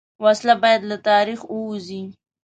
وسله باید له تاریخ ووځي